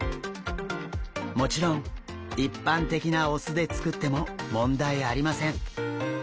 もちろん一般的なお酢で作っても問題ありません。